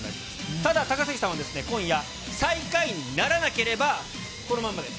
ただ、高杉さんは今夜、最下位にならなければ、このまんまです。